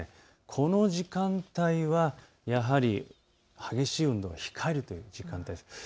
この時間帯は激しい運動は控えるという時間帯です。